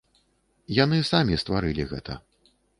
Яны самі стварылі гэта.